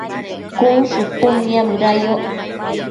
cun shupud niamëda yoc